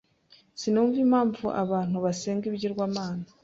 Sinumva impamvu abantu basenga ibigirwamana.